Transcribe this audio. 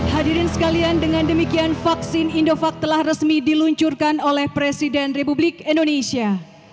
hadirin sekalian dengan demikian vaksin indovac telah resmi diluncurkan oleh presiden republik indonesia